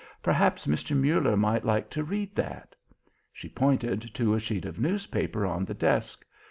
Perhaps Mr. Muller might like to read that." She pointed to a sheet of newspaper on the desk.